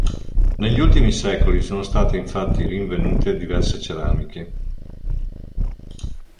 Negli ultimi secoli sono state infatti rinvenute diverse ceramiche.